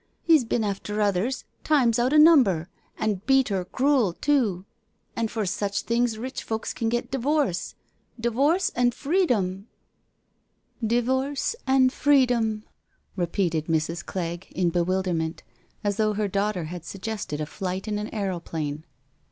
He's been after others times out o' number and beat her crool too— and \ 14 NO SURRENDER for sech things rich folk can get divorce— divorce an' freedom I *''* Divoorce an' freedom/* repeated Mrs. Clegg in bewilderment^ as though her daughter had suggested a flight in an aeroplane.